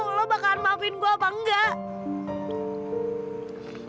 kamu akan memaafkan saya atau tidak